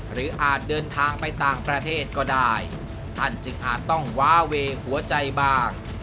อาจเดินทางไปต่างประเทศก็ได้ท่านจึงอาจต้องว้าเวย์หัวใจบ้าง